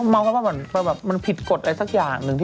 มองกันว่ามันผิดกฎอะไรสักอย่างหนึ่ง